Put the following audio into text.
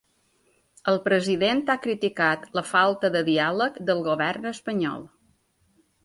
El president ha criticat la falta de diàleg del govern espanyol.